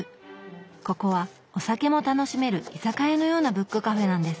ここはお酒も楽しめる居酒屋のようなブックカフェなんです。